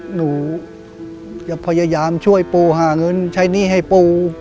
หนูจะพยายามช่วยปูหาเงินใช้หนี้ให้ปู